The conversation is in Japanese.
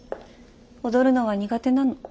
踊るのは苦手なの。